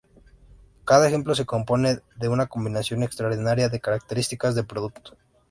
Cada ejemplo se compone de una combinación extraordinaria de características de producto.